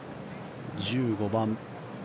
１５番。